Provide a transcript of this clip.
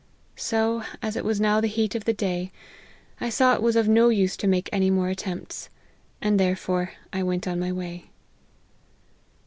So, as it was now the heat of the day, I saw it was of no use to make any more attempts ; and therefore I went on my way."